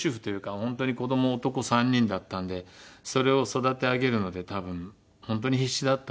本当に子ども男３人だったんでそれを育て上げるので多分本当に必死だったと思うし。